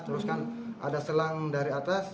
terus kan ada selang dari atas